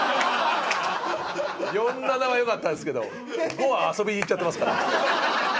４７はよかったんですけど５は遊びにいっちゃってますから。